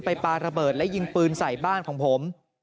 ปลาระเบิดและยิงปืนใส่บ้านของผม